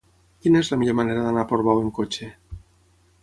Quina és la millor manera d'anar a Portbou amb cotxe?